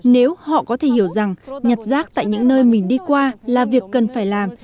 nếu họ có thể hiểu rằng nhặt rác tại những nơi mình đi qua là việc cần phải làm